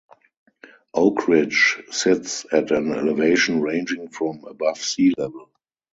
Oakridge sits at an elevation ranging from above sea level.